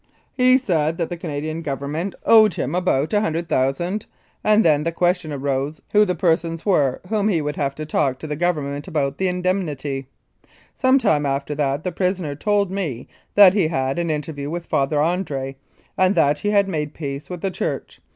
A. He said that the Canadian Government owed him N 201 Mounted Police Life in Canada about $ 100,000, and then the question arose who the persons were whom he would have to talk to the Government about the indemnity. Some time after that the prisoner told me that he had an interview with Father Andre, and that he had made peace with the Church.